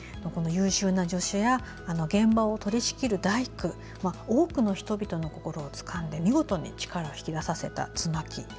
優秀な助手や現場を取り仕切る大工多くの人々の心をつかんで見事に力を引き出させた妻木。